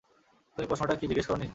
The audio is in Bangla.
তুমি প্রশ্নটা কি জিজ্ঞেস করনি।